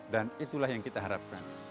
dan itulah yang kita harapkan